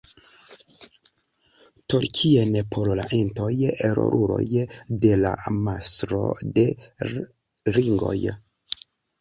Tolkien por la Entoj, roluloj de La Mastro de l' ringoj.